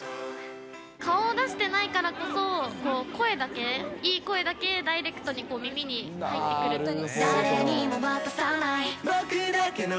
顔を出していないからこそ、声だけ、いい声だけダイレクトに耳に入ってくる。